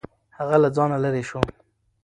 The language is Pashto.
هغه له ځانه لرې شو.